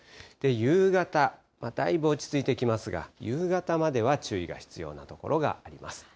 夕方、だいぶ落ち着いてきますが、夕方までは注意が必要な所があります。